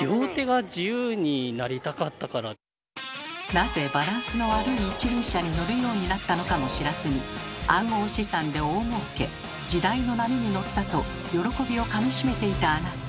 なぜバランスの悪い一輪車に乗るようになったのかも知らずに暗号資産で大もうけ時代の波に乗ったと喜びをかみしめていたあなた。